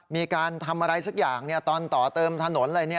มีการทำอะไรสักอย่างตอนต่อเติมถนนอะไร